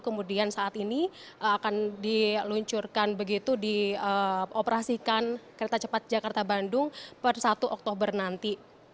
kemudian saat ini akan diluncurkan begitu dioperasikan kereta cepat jakarta bandung per satu oktober nanti